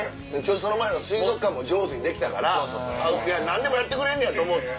その前の水族館も上手にできたから何でもやってくれんねやと思って。